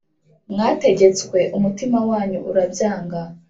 mwategetswe umutima wanjye urabyanga,